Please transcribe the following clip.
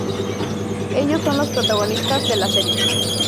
Ellos son los protagonistas de la serie.